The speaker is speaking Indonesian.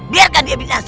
biarkan dia binasa